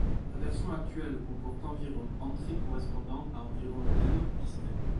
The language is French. La version actuelle comporte environ entrées correspondant à environ lemmes distincts.